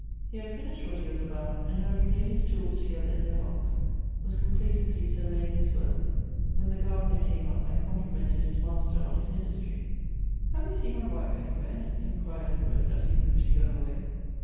He had finished what he was about, and having laid his tools together in their box, was complacently surveying his work, when the gardener came up and complimented his master on his industry. " Have you seen my wife anywhere?" inquired Ed ward, as he moved to go away.